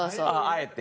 あえて？